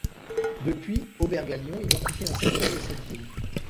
Depuis, Aubert-Gallion identifie un secteur de cette ville.